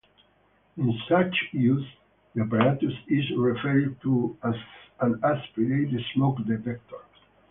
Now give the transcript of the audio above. In such use, the apparatus is referred to as an aspirated smoke detector.